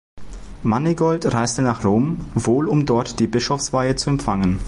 Manegold reiste nach Rom, wohl um dort die Bischofsweihe zu empfangen.